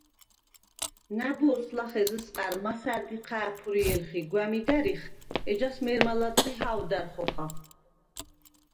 ნა̈ბოზს ლახე ზჷსყა̈რ მასა̈რდ იჴა̄̈ფიე̄ლხ ი გვა̈მიდ ა̈რიხ, ეჯას მე̄რმა ლა̈დღი ჰა̄ვდა̈რ ხოხა.